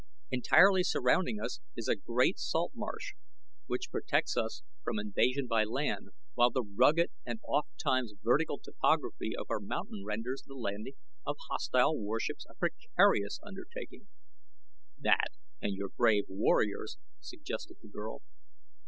Entirely surrounding us is a great salt marsh, which protects us from invasion by land, while the rugged and ofttimes vertical topography of our mountain renders the landing of hostile airships a precarious undertaking." "That, and your brave warriors?" suggested the girl.